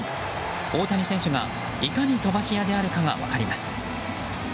大谷選手がいかに飛ばし屋であるかが分かります。